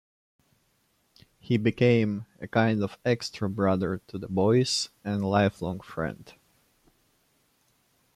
He became 'a kind of extra brother to the boys and a lifelong friend'.